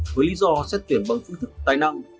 với lý do xét tuyển bằng chữ tài năng